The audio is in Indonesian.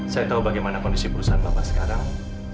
saya tahu bagaimana kondisi perusahaan bapak sekarang